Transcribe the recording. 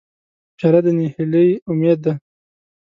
پیاله د نهیلۍ امید ده.